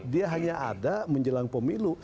dia hanya ada menjelang pemilu